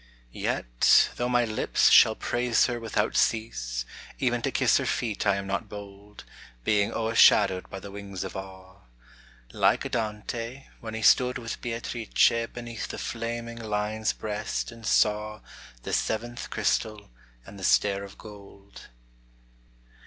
Yet, though my lips shall praise her without cease, Even to kiss her .feet I am not bold, Being o'ershadowed by the wings of awe. Like Dante, when he stood with Beatrice Beneath the flaming Lion's breast, and saw The seventh Crystal, and the Stair of Gold.